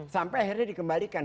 sampai akhirnya dikembalikan ke sini